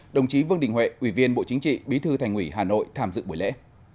đồng chí vương đình huệ ủy viên bộ chính trị bí thư thành ủy hà nội tham dự buổi lễ